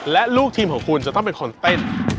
และลูกทีมของคุณจะต้องเป็นคนเต้น